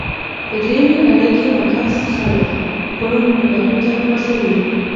په درېیمه نړۍ کې ناکس خلګ خپلو ملتو ته پړسوي.